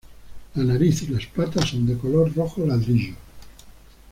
La nariz y las patas son de color rojo ladrillo.